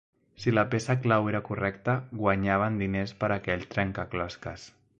Si la peça clau era correcta, guanyaven diners per aquell trencaclosques.